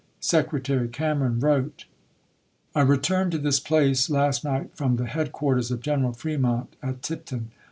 Secretary Cameron wrote: I returned to this place last night from the head quarters of General Fremont at Tipton.